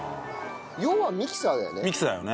要はミキサーだよね？